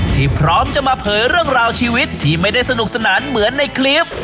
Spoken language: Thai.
พร้อมจะมาเผยเรื่องราวชีวิตที่ไม่ได้สนุกสนานเหมือนในคลิป